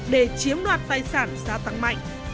để chiếm đoạt tài sản xá tăng mạnh